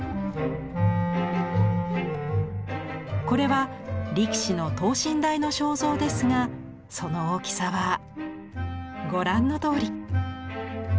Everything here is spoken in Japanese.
これは力士の等身大の肖像ですがその大きさはご覧のとおり。